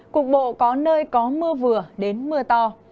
cục bộ có nơi có mưa vừa đến mưa to